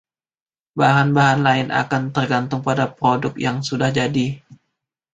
Bahan-bahan lain akan tergantung pada produk yang sudah jadi.